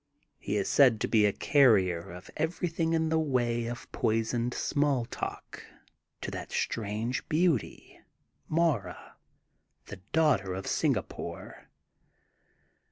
He is said to be a carrier of everything in the way of poisoned small talk to that strange beauty, Mara, the daughter of Singapore.